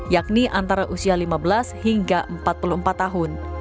yakni antara usia lima belas hingga empat puluh empat tahun